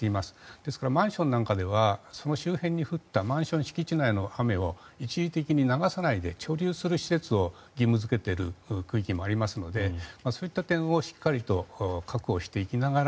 ですからマンションなんかではその周辺に降ったマンション敷地内の雨を一時的に流さないで貯留する施設の設置を義務付けている区域もありますのでそういった点を確保していきながら